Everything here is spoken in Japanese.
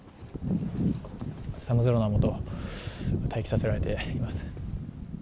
寒空のもと、待機させられています。